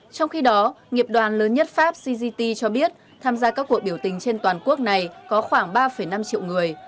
trong khi đó nghiệp đoàn lớn nhất pháp cgt cho biết tham gia các cuộc biểu tình trên toàn quốc này có khoảng ba năm triệu người